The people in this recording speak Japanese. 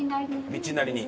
道なりに。